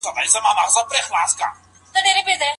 په خوله د نورو مسخره کول تمسخر بلل کيږي.